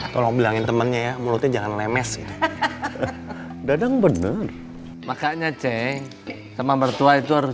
tolong bilangin temennya ya mulutnya jangan lemes gitu dadeng bener makanya cek sama mertua itu harus